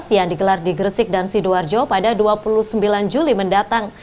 yang digelar di gresik dan sidoarjo pada dua puluh sembilan juli mendatang